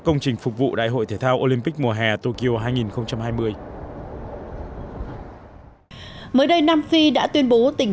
dự án phục vụ đại hội thể thao olympic mùa hè tokyo hai nghìn hai mươi mới đây nam phi đã tuyên bố tình